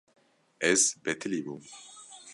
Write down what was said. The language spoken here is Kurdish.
Ez betilî bûm.